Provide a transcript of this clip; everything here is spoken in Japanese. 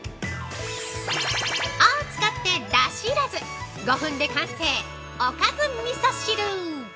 ◆○○を使って、だし要らず５分で完成、おかずみそ汁。